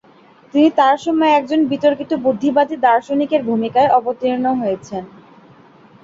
তিনি তার সময়ে একজন বিতর্কিত বুদ্ধিবাদী দার্শনিকের ভূমিকায় অবতীর্ণ হয়েছেন।